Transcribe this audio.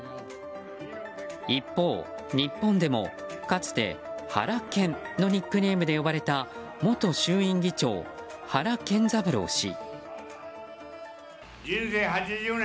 一方日本でも、かつてハラケンのニックネームで呼ばれた元衆院議長、原健三郎氏。